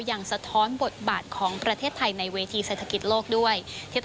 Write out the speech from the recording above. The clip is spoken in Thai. สะท้อนบทบาทของประเทศไทยในเวทีเศรษฐกิจโลกด้วย